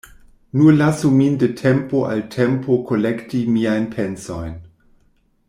Nur lasu min de tempo al tempo kolekti miajn pensojn.